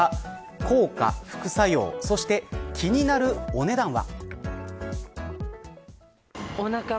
効果、副作用そして気になるお値段は。